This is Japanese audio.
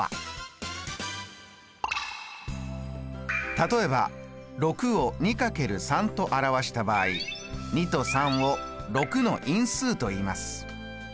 例えば６を２×３と表した場合２と３を「６の因数」といいます。